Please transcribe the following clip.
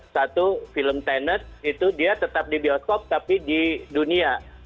satu film tenis itu dia tetap di bioskop tapi di dunia